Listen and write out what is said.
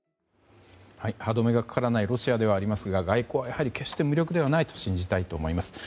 歯止めがかからないロシアではありますが外交は、やはり決して無力ではないと信じたいと思います。